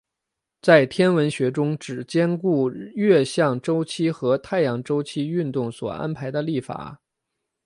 在天文学中是指兼顾月相周期和太阳周期运动所安排的历法。